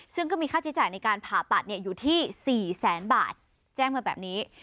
ซึ่งก็มีค่าใช้จ่ายในการผ่าตัดอยู่ที่๔แสนบาทแจ้งมาแบบนี้